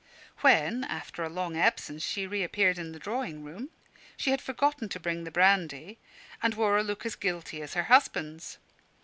... When, after a long absence, she reappeared in the drawing room, she had forgotten to bring the brandy, and wore a look as guilty as her husband's.